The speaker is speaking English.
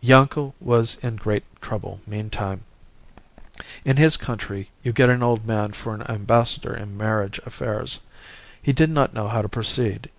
"Yanko was in great trouble meantime. In his country you get an old man for an ambassador in marriage affairs. He did not know how to proceed.